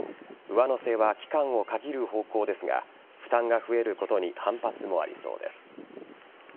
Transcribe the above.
上乗せは期間を限る方向ですが負担が増えることに反発もありそうです。